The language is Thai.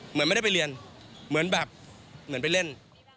เหมือนไม่ได้ไปเรียนเหมือนแบบเหมือนไปเล่น